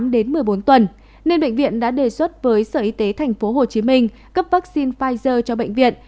đến một mươi bốn tuần nên bệnh viện đã đề xuất với sở y tế tp hcm cấp vaccine pfizer cho bệnh viện